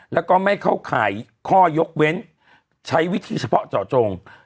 แล้วก็ไม่เข้าข่ายข้อยกเว้นใช้วิธีเฉพาะเจาะจง